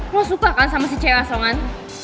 gue suka kan sama si cewek asongan